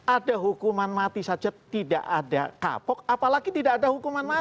ada hukuman mati saja tidak ada kapok apalagi tidak ada hukuman mati